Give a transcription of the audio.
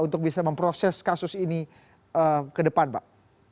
untuk bisa memproses kasus ini ke depan pak